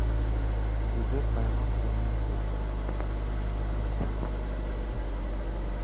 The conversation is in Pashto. د ده پیغام تر نن پوري